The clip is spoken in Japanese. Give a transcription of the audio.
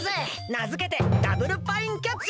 なづけてダブルパインキャッチ！